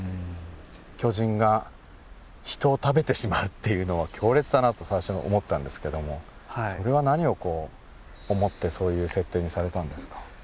巨人が人を食べてしまうっていうのは強烈だなと最初思ったんですけどもそれは何を思ってそういう設定にされたんですか？